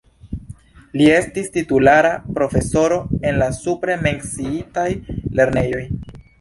Li estis titulara profesoro en la supre menciitaj lernejoj.